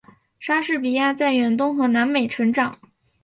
莎士比亚在远东和南美成长。